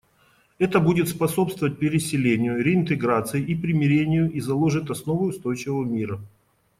Это будет способствовать переселению, реинтеграции и примирению и заложит основы устойчивого мира.